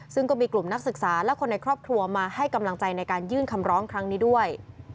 ซึ่งก็มีกลุ่มนักศึกษาและคนในครอบครัวมาให้กำลังใจในการยื่นคำร้องครั้งนี้ด้วย